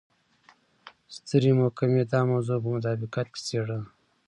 سترې محکمې دا موضوع په مطابقت کې څېړله.